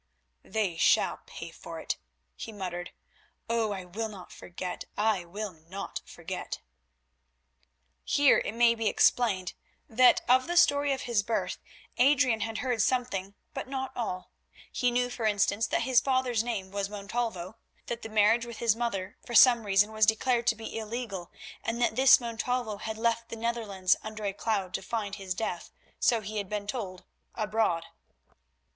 "They shall pay for it," he muttered. "Oh! I will not forget, I will not forget." Here it may be explained that of the story of his birth Adrian had heard something, but not all. He knew, for instance, that his father's name was Montalvo, that the marriage with his mother for some reason was declared to be illegal, and that this Montalvo had left the Netherlands under a cloud to find his death, so he had been told, abroad.